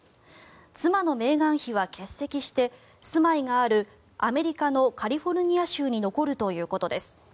妻のメーガン妃は欠席して住まいがあるアメリカのカリフォルニア州に残るということです。